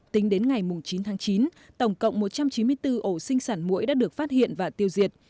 tính đến ngày chín tháng chín tổng cộng một trăm chín mươi bốn ổ sinh sản mũi đã được phát hiện và tiêu diệt